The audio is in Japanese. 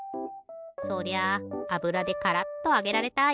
そりゃあぶらでカラッとあげられたい！